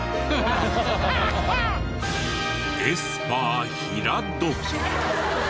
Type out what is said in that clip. エスパー平戸。